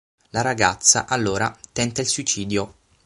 La ragazza, allora, tenta il suicidio.